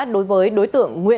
đối với đối tượng nguyễn